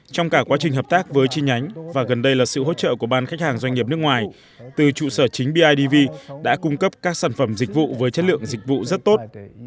trong cả quá trình hợp tác với chi nhánh và gần đây là sự hỗ trợ của ban khách hàng doanh nghiệp nước ngoài từ trụ sở chính bidv đã cung cấp các sản phẩm dịch vụ với chất lượng dịch vụ rất tốt